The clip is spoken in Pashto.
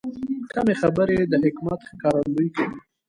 کمې خبرې، د حکمت ښکارندویي کوي.